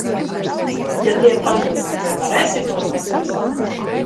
Ja tie pazūd, vai varēsi tos atrast?